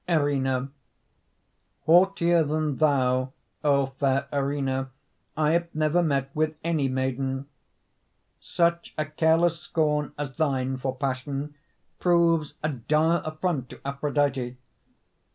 ERINNA Haughtier than thou, O fair Erinna, I have never met with any maiden. Such a careless scorn as thine for passion Proves a dire affront to Aphrodite.